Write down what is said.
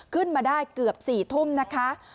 ขึ้นมาได้เกือบ๔ทุ่มนะคะ